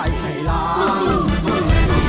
ร้องได้ไข่ล้าง